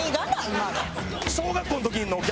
今の。